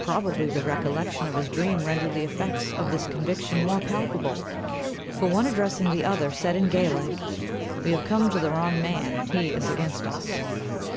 Probably the recollection of his dream rendered the effects of this conviction more palpable; for one addressing the other, said in Gaelic, "We have come to the wrong man; he is against us."